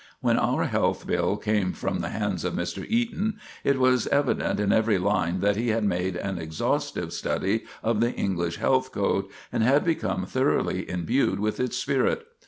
When our health bill came from the hands of Mr. Eaton it was evident in every line that he had made an exhaustive study of the English health code and had become thoroughly imbued with its spirit.